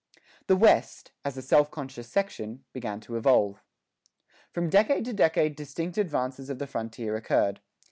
The "West," as a self conscious section, began to evolve. From decade to decade distinct advances of the frontier occurred.